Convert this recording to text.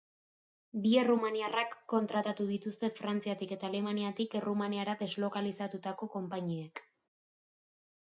Bi errumaniarrak kontratatu dituzte Frantziatik eta Alemaniatik Errumaniara deslokalizatutako konpainiek.